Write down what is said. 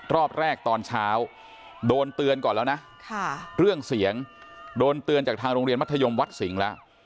รอบแรกตอนเช้าโดนเตือนก่อนแล้วนะเรื่องเสียงโดนเตือนจากทางโรงเรียนมัธยมวัดสิงห์แล้ว